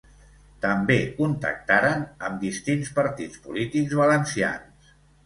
També contactaren amb distints partits polítics valencians.